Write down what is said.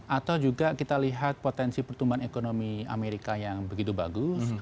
atau juga kita lihat potensi pertumbuhan ekonomi amerika yang begitu bagus